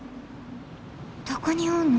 どこにおんの？